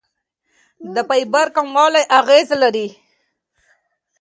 د فایبر کموالی اغېز لري.